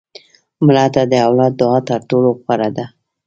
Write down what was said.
مړه ته د اولاد دعا تر ټولو غوره ده